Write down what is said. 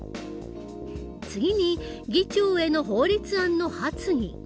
次に議長への法律案の発議。